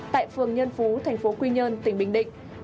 tại phường nhân phú thành phố quy nhơn tỉnh bình định